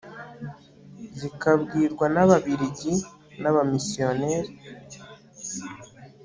zikabwirwa n'ababiligi, n'abamisiyoneri